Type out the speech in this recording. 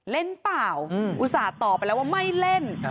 เปล่าอุตส่าห์ตอบไปแล้วว่าไม่เล่น